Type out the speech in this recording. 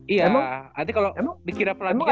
iya nanti kalau dikira pelajar bingung kita